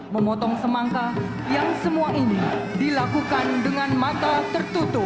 memotong semangka yang semua ini dilakukan dengan mata tertutup